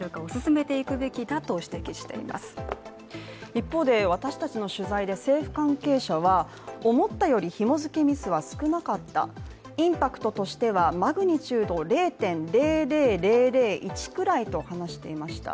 一方で、私たちの取材で政府関係者は思ったよりひも付けミスは少なかった、インパクトとしてはマグニチュード０．００００１くらいと話していました。